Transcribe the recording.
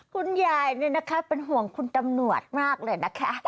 คุณยายเป็นห่วงคุณตำหนวดมากเลยนะคะ